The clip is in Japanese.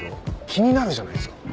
気になるじゃないっすか。